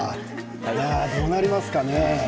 どうなりますかね。